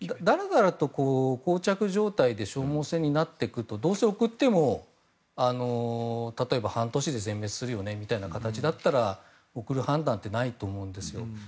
膠着状態で消耗戦になってくるとどうせ送っても、例えば半年で全滅するよねみたいな形だったら送る判断はないと思うんですよ。